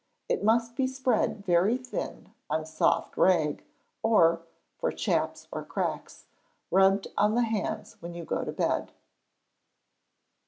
It must be spread very thin on soft rag, or (for chaps or cracks) rubbed on the hands when you go to bed.